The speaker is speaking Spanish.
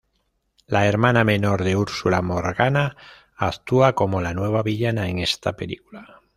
La hermana menor de Úrsula, Morgana, actúa como la nueva villana en esta película.